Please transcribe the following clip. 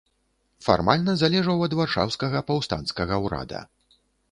Фармальна залежаў ад варшаўскага паўстанцкага ўрада.